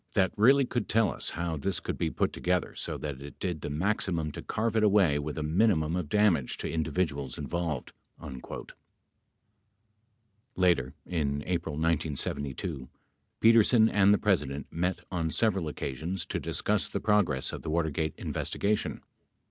. that really could tell us how this could be put together so that it did the maximum to carve it away with a minimum of damage to individuals involved." 37 Later, in April 1972, Petersen and the President met on several occasions to discuss the progress of the Watergate investigation.